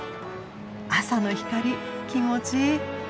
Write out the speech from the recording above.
朝の光気持ちいい。